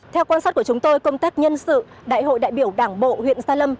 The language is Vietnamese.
theo quan sát của chúng tôi công tác nhân sự đại hội đại biểu đảng bộ huyện gia lâm